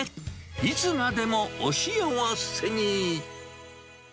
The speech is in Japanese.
いつまでもお幸せに。